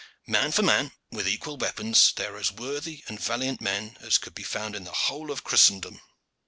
Man for man, with equal weapons, they are as worthy and valiant men as could be found in the whole of Christendom."